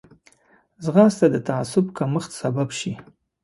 ځغاسته د تعصب کمښت سبب شي